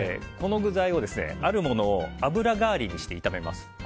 この食材を、あるものを油代わりにして炒めます。